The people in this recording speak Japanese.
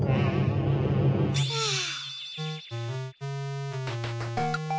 はあ。